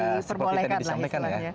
ya seperti yang disampaikan ya